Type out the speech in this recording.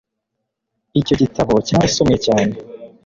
icyo gitabo cyarasomwe cyane